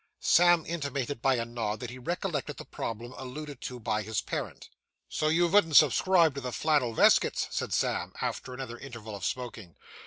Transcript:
Sam intimated by a nod that he recollected the problem alluded to by his parent. 'So you vouldn't subscribe to the flannel veskits?' said Sam, after another interval of smoking.